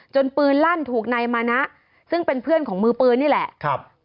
ปืนลั่นถูกนายมานะซึ่งเป็นเพื่อนของมือปืนนี่แหละครับ